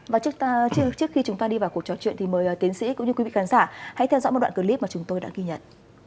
và trước khi chúng ta đi vào cuộc trò chuyện thì mời tiến sĩ cũng như quý vị khán giả hãy theo dõi một đoạn clip mà chúng tôi đã ghi nhận